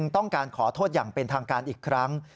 ต้องการขอโทษอย่างเป็นทางการอีกครั้ง